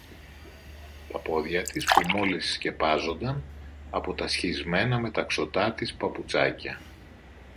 Τα πόδια της που μόλις σκεπάζονταν από τα σχισμένα μεταξωτά της παπουτσάκια